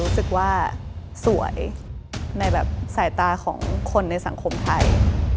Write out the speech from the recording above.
สวยในแบบสายตาของคนในสังคมไทย